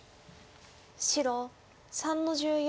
白３の十四。